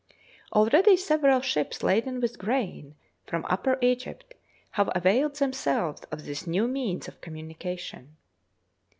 Already several ships laden with grain, from Upper Egypt, have availed themselves of this new means of communication.